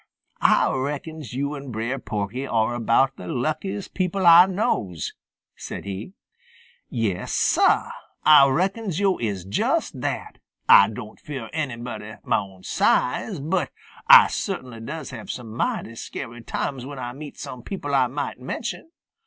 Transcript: "Ah reckons yo' and Brer Porky are about the luckiest people Ah knows," said he. "Yes, Sah, Ah reckons yo' is just that. Ah don't fear anybody mah own size, but Ah cert'nly does have some mighty scary times when Ah meets some people Ah might mention.